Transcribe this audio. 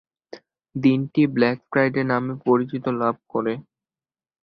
দিনটি "black friday" নামে পরিচিতি লাভ করে।